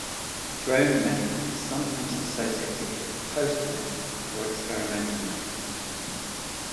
Drone metal is sometimes associated with post-metal or experimental metal.